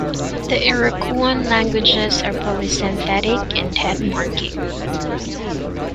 The Iroquoian languages are polysynthetic and head-marking.